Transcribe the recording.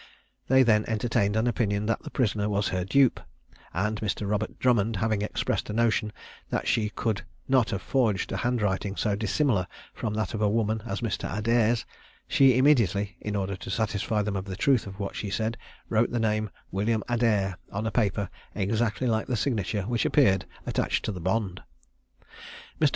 They then entertained an opinion that the prisoner was her dupe; and Mr. Robert Drummond having expressed a notion that she could not have forged a handwriting so dissimilar from that of a woman as Mr. Adair's, she immediately, in order to satisfy them of the truth of what she said, wrote the name "William Adair" on a paper exactly like the signature which appeared attached to the bond. Mr.